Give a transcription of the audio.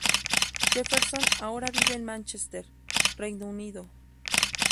Jefferson ahora vive en Manchester, Reino Unido.